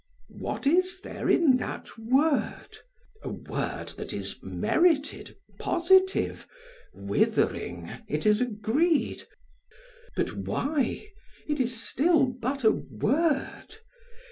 "What is there in that word? A word that is merited, positive, withering, it is agreed. But why? It is still but a word.